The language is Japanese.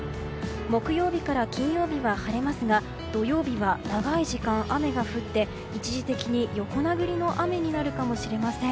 木曜日から金曜日は晴れますが土曜日は長い時間、雨が降って一時的に横殴りの雨になるかもしれません。